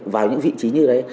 vào những vị trí như đấy